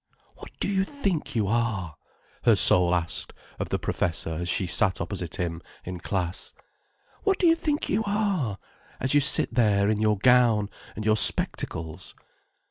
What do you think you are?" her soul asked of the professor as she sat opposite him in class. "What do you think you are, as you sit there in your gown and your spectacles?